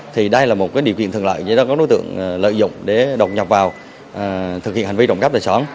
thì đây là một điều kiện thường lợi để đối tượng lợi dụng để độc nhập vào thực hiện hành vi trộm cắp tài sản